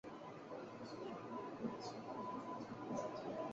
山地树鼩为婆罗洲特有的树鼩属物种。